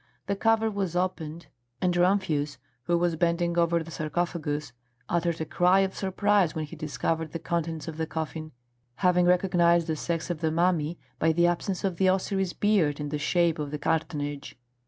The cover was opened, and Rumphius, who was bending over the sarcophagus, uttered a cry of surprise when he discovered the contents of the coffin, having recognised the sex of the mummy by the absence of the Osiris beard and the shape of the cartonnage.